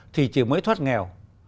thì chỉ mới thoát nghèo